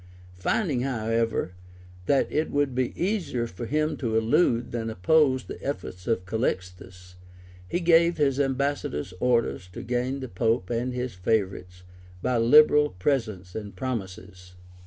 Finding, however, that it would be easier for him to elude than oppose the efforts of Calixtus, he gave his ambassadors orders to gain the pope and his favorites by liberal presents and promises.